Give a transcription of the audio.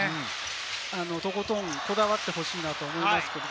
とことんこだわってほしいと思います。